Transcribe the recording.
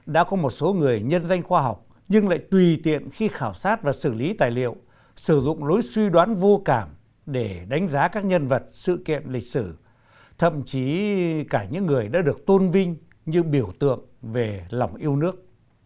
đã có một số người nhân danh khoa học nhưng lại tùy tiện khi khảo sát và xử lý tài liệu sử dụng lối suy đoán vô cảm để đánh giá các nhân vật sự kiện lịch sử thậm chí cả những người đã được tôn vinh như biểu tượng về lòng yêu nước